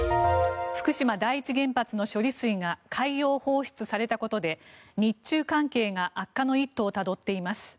福島第一原発の処理水が海洋放出されたことで日中関係が悪化の一途をたどっています。